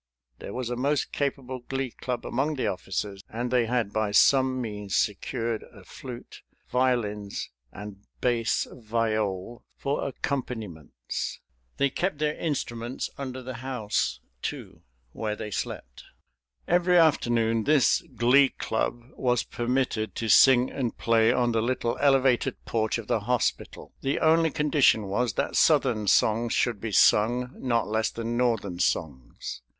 There was a most capable Glee Club among the officers, and they had by some means secured a flute, violins, and bass viol for accompaniments. They kept their instruments under the house, too, where they slept. Every afternoon this Glee Club was permitted to sing and play on the little elevated porch of the hospital. The only condition was that Southern songs should be sung, not less than Northern songs.